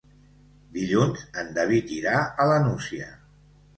Dilluns en David irà a la Nucia.